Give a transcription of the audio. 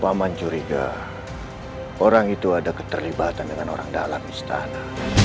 paman curiga orang itu ada keterlibatan dengan orang dalam istana